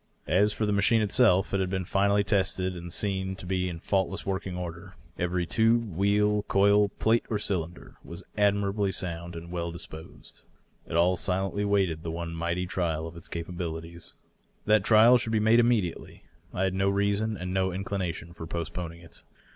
As for the machine itself, it had been finally tested and seen to be in faultless working order. Every tube, wheel, coil, plate or cylinder was admirably sound and well disposed. It all silently waited the one mighty trial of its capabilities. That trial should be made immediately. I had no reason and no inclination for postponing it.